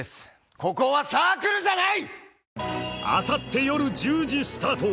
ここはサークルじゃない！